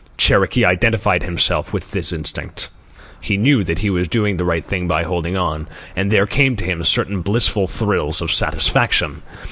Cherokee identified himself with his instinct. He knew that he was doing the right thing by holding on, and there came to him certain blissful thrills of satisfaction.